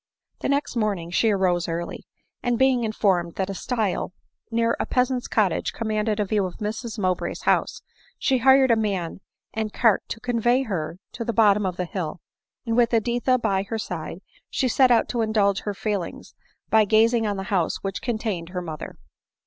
The next morning she arose early ; and being inform ed that a stile near a peasant's cottage commanded a view of Mrs Mowbray's house, she hired a man and cart 23* 266 . ADELINE MOWBRAY. to convey her to the bottom of the hill, and with Editha by her side, she set out to indulge her feelings by gazing on the house which contained her mother.